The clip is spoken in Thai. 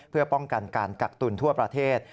เพื่อป้องกันการกักตุลทั่วประเทศ